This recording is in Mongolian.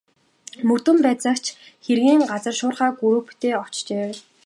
Мөрдөн байцаагч хэргийн газар шуурхай групптэй очжээ.